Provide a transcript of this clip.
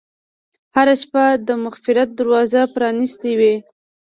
هره شپه د مغفرت دروازه پرانستې وي.